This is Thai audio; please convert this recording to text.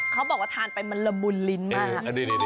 เขาบอกว่าทานไปมันละมุนลิ้นมาก